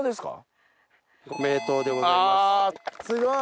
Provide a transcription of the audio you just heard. すごい。